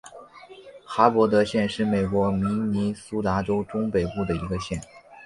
哈伯德县是美国明尼苏达州中北部的一个县。